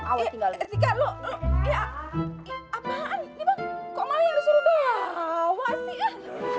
apaan ini bang kok mami harus suruh bawa sih